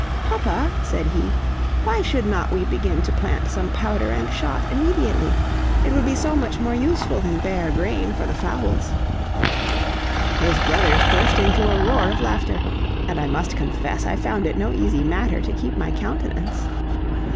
"Papa," said he, "why should not we begin to plant some powder and shot immediately? It would be so much more useful than bare grain for the fowls." His brothers burst into a roar of laughter, and I must confess I found it no easy matter to keep my countenance.